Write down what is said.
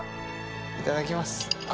いただきます